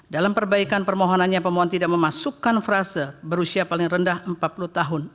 dalam perbaikan permohonannya pemohon tidak memasukkan frase berusia paling rendah empat puluh tahun